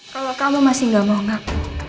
kalau kamu masih gak mau ngaku